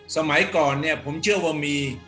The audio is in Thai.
สมัยก่อนเนี่ยผมเชื่อว่ามี